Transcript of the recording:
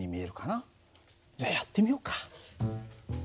じゃあやってみようか。